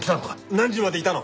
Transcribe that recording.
何時までいたの？